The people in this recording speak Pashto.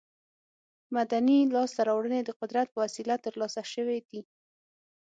مدني لاسته راوړنې د قدرت په وسیله تر لاسه شوې دي.